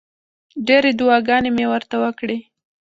ډېرې دعاګانې مې ورته وکړې.